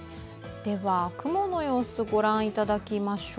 雲の様子を御覧いただきましょう。